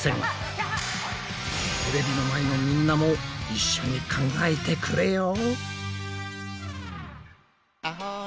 テレビの前のみんなも一緒に考えてくれよ！